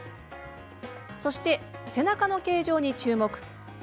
そして背中の形状に注目。